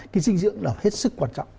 cái dinh dưỡng là hết sức quan trọng